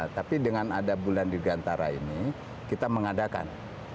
tapi dengan ada bulan dirgantara ini kita mengadakan